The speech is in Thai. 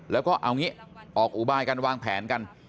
แล้วก็เอางี้ออกอุบายกันวางแผนกัน